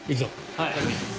はい。